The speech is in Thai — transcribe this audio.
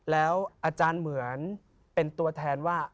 แล้วอาจารย์เหมือนเป็นตัวแทนว่า